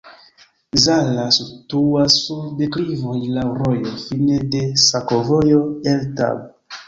Zala situas sur deklivoj, laŭ rojo, fine de sakovojo el Tab.